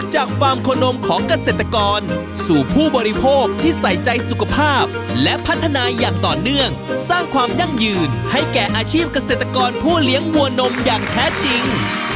ฟาร์มโคนมของเกษตรกรสู่ผู้บริโภคที่ใส่ใจสุขภาพและพัฒนาอย่างต่อเนื่องสร้างความยั่งยืนให้แก่อาชีพเกษตรกรผู้เลี้ยงวัวนมอย่างแท้จริง